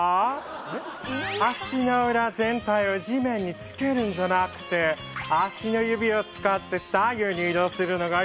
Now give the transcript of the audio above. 足の裏全体を地面につけるんじゃなくて足の指を使って左右に移動するのがいいんです！